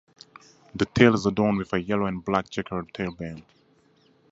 The tail is adorned with a yellow and black checkered tailband.